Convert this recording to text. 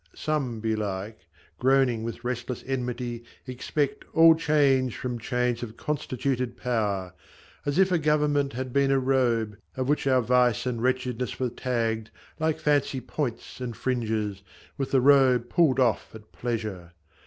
Some, belike, Groaning with restless enmity, expect All change from change of constituted power ; As if a Government had been a robe, On which our vice and wretchedness were tagged Like fancy points and fringes, with the robe Pulled off at pleasure.